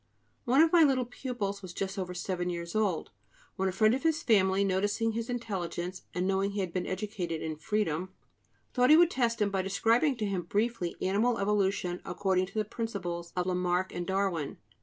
One of my little pupils was just over seven years old, when a friend of his family, noticing his intelligence, and knowing that he had been educated in "freedom," thought he would test him by describing to him briefly animal evolution according to the principles of Lamarck and Darwin.